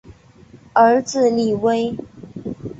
儿子李威。